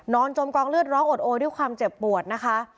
จมกองเลือดร้องอดโอด้วยความเจ็บปวดนะคะ